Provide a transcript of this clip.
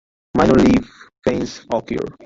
Minor leaf veins occur.